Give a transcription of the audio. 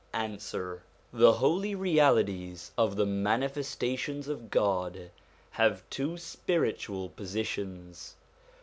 Answer. The holy realities of the Manifestations of God have two spiritual positions.